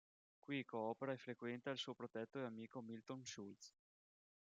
Qui coopera e frequenta il suo protetto e amico Milton Schultz.